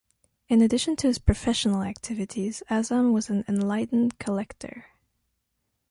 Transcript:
In addition to his professional activities, Azam was an enlightened collector.